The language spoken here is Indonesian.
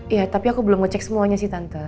iya tapi aku belum ngecek semuanya sih tante